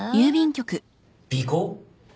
尾行？